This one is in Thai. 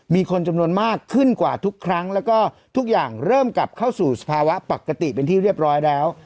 มีคนจำนวนมากขึ้นกว่าทุกครั้งแล้วก็ทุกอย่างเริ่มกลับเข้าสู่สภาวะปกติเป็นที่เรียบร้อยแล้ว